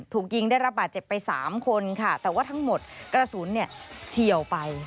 ถูกยิงได้รับบาดเจ็บไปสามคนค่ะแต่ว่าทั้งหมดกระสุนเนี่ยเฉียวไป